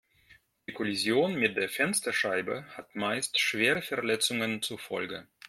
Die Kollision mit der Fensterscheibe hat meist schwere Verletzungen zur Folge.